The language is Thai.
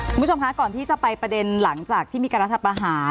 คุณผู้ชมคะก่อนที่จะไปประเด็นหลังจากที่มีการรัฐประหาร